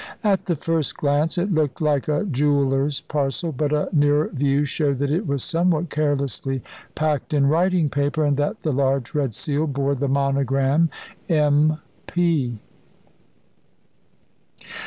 At the first glance it looked like a jeweller's parcel, but a nearer view showed that it was somewhat carelessly packed in writing paper, and that the large red seal bore the monogram "M. P."